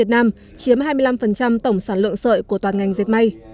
năm tổng sản lượng sợi của toàn ngành dệt mây